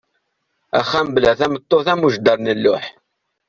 Axxam bla tameṭṭut am ujdar n lluḥ.